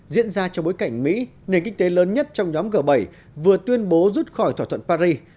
diễn ra trong bối cảnh mỹ nền kinh tế lớn nhất trong nhóm g bảy vừa tuyên bố rút khỏi thỏa thuận paris